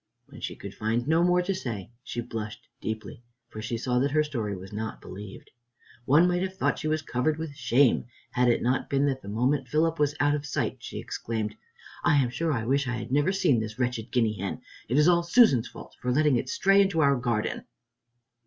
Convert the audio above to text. When she could find no more to say she blushed deeply, for she saw that her story was not believed. One might have thought she was covered with shame, had it not been that the moment Philip was out of sight, she exclaimed, "I am sure I wish I had never seen this wretched guinea hen! It is all Susan's fault for letting it stray into our garden."